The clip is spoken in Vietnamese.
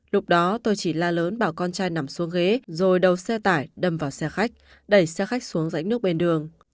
lúc đó tôi chỉ la lớn bảo con trai nằm xuống ghế rồi đầu xe tải đâm vào xe khách đẩy xe khách xuống rãnh nước bên đường